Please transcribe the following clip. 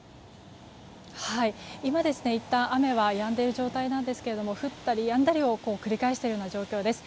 今、いったん雨はやんでいる状態なんですが降ったりやんだりを繰り返しているような状況です。